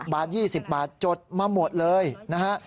บาท๒๐บาทจดมาหมดเลยนะฮะ